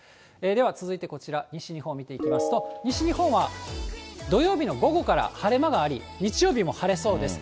では続いてこちら、西日本で見ていきますと、西日本は土曜日の午後から晴れ間があり、日曜日も晴れそうです。